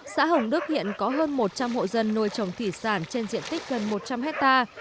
xã hồng đức hiện có hơn một trăm linh hộ dân nuôi trồng thủy sản trên diện tích gần một trăm linh hectare